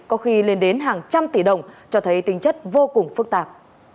có khi lên đến hàng trăm tỷ đồng cho thấy tinh chất vô cùng phức tạp